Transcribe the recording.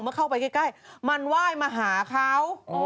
เข้าไปใกล้มันไหว้มาหาเขา